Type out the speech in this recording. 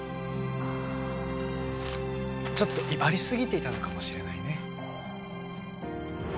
ちょっと威張り過ぎていたのかもしれないね。